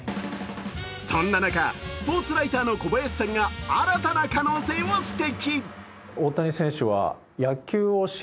そんな中、スポーツライターの小林さんが新たな可能性を指摘。